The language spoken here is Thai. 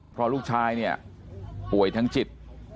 เพราะลูกชายเนี่ยป่วยทั้งจิต